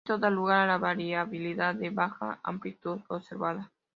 Esto da lugar a la variabilidad de baja amplitud observada.